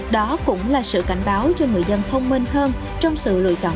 đó cũng là sự cảnh báo cho người dân thông minh hơn trong sự lùi trọng